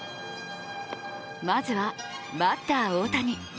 まずは、バッター大谷。